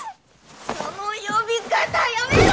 その呼び方やめろ！